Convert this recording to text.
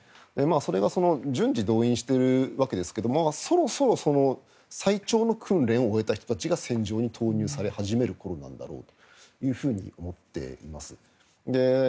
それが順次、動員しているわけですがそろそろ最長の訓練を終えた人たちが戦場に投入され始める頃なんだろうと思っています。